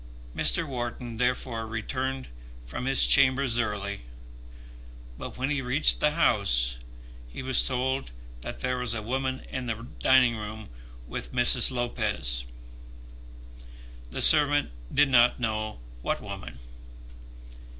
Mr. Wharton therefore returned from his chambers early; but when he reached the house he was told that there was a woman in the dining room with Mrs. Lopez. The servant did not know what woman.